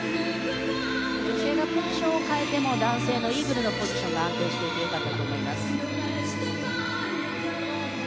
女性がポジションを換えても男性のイーグルのポジションが安定していて良かったと思います。